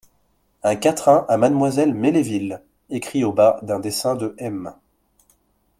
Un Quatrain à Mademoiselle Melesville, écrit au bas d'un dessin de M.